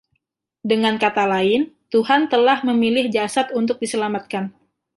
Dengan kata lain, Tuhan telah memilih jasad untuk diselamatkan.